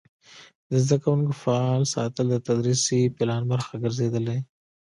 د زده کوونکو فعال ساتل د تدریسي پلان برخه ګرځېدلې.